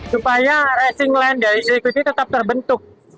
supaya racing line dari sirkuit ini tetap terbentuk